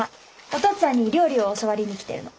お父っつぁんに料理を教わりに来てるの。